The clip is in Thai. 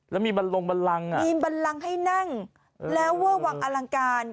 แล้วมีบันลงบันลังอ่ะมีบันลังให้นั่งแล้วเวอร์วังอลังการ